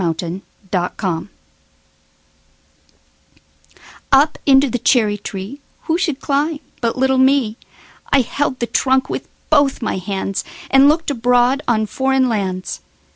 9. Foreign Lands UP into the cherry treeWho should climb but little me?I held the trunk with both my handsAnd looked abroad on foreign lands.